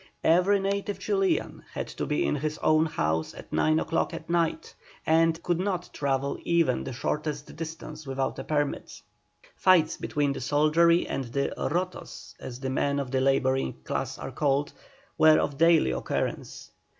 Every native Chilian had to be in his own house at nine o'clock at night, and could not travel even the shortest distance without a permit. Fights between the soldiery and the "rotos," as the men of the labouring class are called, were of daily occurrence.